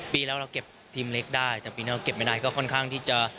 ปีแล้วเราเก็บทีมเล็กได้แต่ปีนี้เราเก็บไม่ได้